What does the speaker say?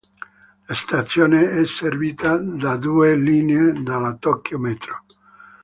La stazione è servita da due linee della Tokyo Metro.